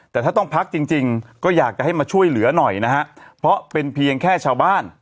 แต่ถ้าต้องพักจริงจริงก็อยากจะให้มาช่วยเหลือหน่อยนะฮะเพราะเป็นเพียงแค่ชาวบ้าน